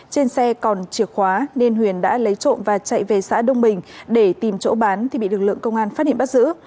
trên xe còn chìa khóa nên huyền đã lấy trộm và chạy về xã đông bình để tìm chỗ bán thì bị lực lượng công an phát hiện bắt giữ